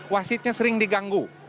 wasidnya sering diganggu